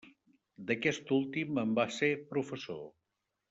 D'aquest últim en va ser professor.